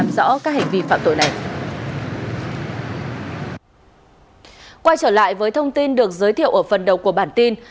quay trở lại với thông tin được giới thiệu ở phần đầu của bản tin